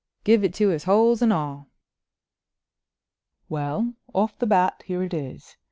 "Give it to us, holes and all." "Well—off the bat here it is.